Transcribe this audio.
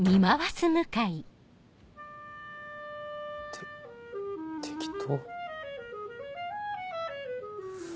て適当？